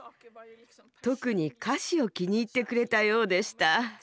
特に歌詞を気に入ってくれたようでした。